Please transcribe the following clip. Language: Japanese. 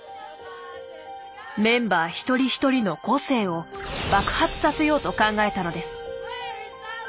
メンバー一人一人の個性を爆発させようと考えたのです。